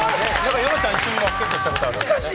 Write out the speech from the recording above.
山ちゃん、一緒にバスケットしたことあるって？